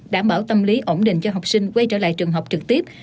đảm bảo tâm lý ổn định cho học sinh quay trở lại trường học trực tiếp